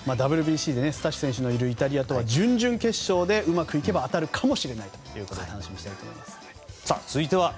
ＷＢＣでスタッシ選手のいるイタリアとは当たるかもしれないということで楽しみにしたいと思います。